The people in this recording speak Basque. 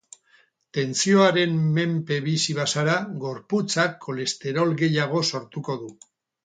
Tentsioaren menpe bizi bazara, gorputzak kolesterol gehiago sortuko du.